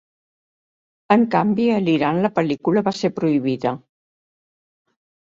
En canvi, a l'Iran la pel·lícula va ser prohibida.